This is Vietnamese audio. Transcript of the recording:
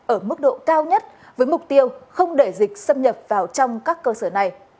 ở mức độ cao nhất với mục tiêu không để dịch xâm nhập vào trong các cơ sở này